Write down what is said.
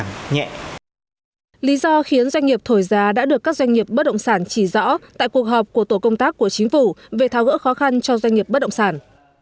tại cuộc họp của tổ công tác của chính phủ về tháo gỡ khó khăn cho doanh nghiệp bất động sản